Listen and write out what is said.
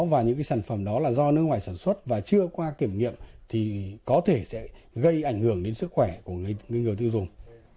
và những sản phẩm đó là do nước ngoài sản xuất và chưa qua kiểm nghiệm thì có thể sẽ gây ảnh hưởng đến sức khỏe của người tiêu dùng